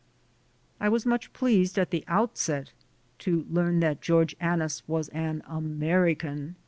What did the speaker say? I was much pleased at the outset to learn that George Annis was an American.